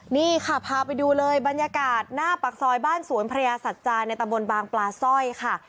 นี่ค่ะพาไปดูเลยบรรยากาศหน้าปากซอยบ้านสวนพระยาสัจจาในตำบลบางปลาสร้อยค่ะ